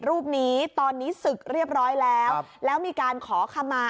ยึกยืดยืดนะครับ